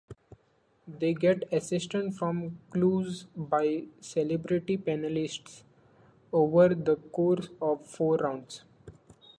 They get assistance from clues by "celebrity panelists" over the course of four rounds.